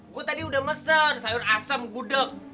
gue tadi udah mesen sayur asem gudeg